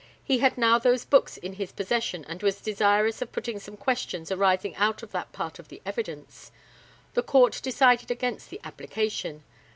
He had now those books in his possession, and was desirous of putting some questions arising out of that part of the evidence. The Court decided against the application.